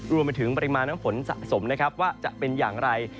รวมไปถึงปริมาณน้ำฝนสะสมนะครับว่าจะเป็นอย่างไร